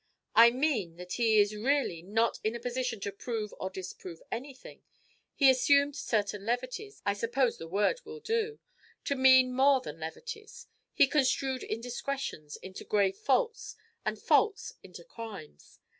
"I mean that he is really not in a position to prove or disprove anything. He assumed certain 'levities' I suppose the word will do to mean more than levities; he construed indiscretions into grave faults, and faults into crimes.